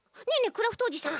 クラフトおじさん。